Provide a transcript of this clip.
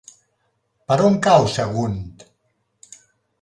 Per on cau Sagunt?